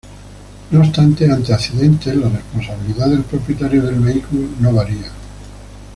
No obstante, ante accidentes la responsabilidad del propietario del vehículo no varía.